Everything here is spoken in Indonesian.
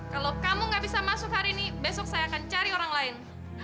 kalau kamu gak bisa masuk hari ini besok saya akan cari orang lain